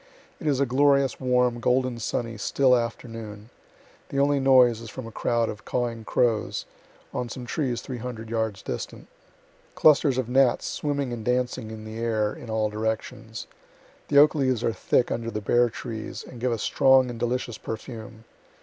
It is a glorious, warm, golden sunny, still afternoon. The only noise is from a crowd of cawing crows, on some trees three hundred yards distant. Clusters of gnats swimming and dancing in the air in all directions. The oak leaves are thick under the bare trees, and give a strong and delicious perfume.